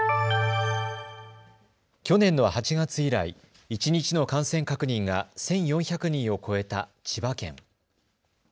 去年の８月以来、一日の感染確認が１４００人を超えた千葉県。